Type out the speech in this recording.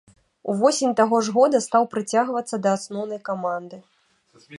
Увосень таго ж года стаў прыцягвацца да асноўнай каманды.